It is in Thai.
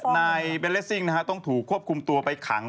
นายเบนเลสซิ่งต้องถูกควบคุมตัวไปขัง